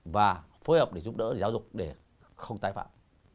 và phối hợp để giúp đỡ giáo dục để không tái phạm